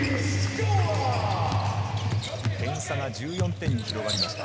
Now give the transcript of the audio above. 点差が１４点に広がりました。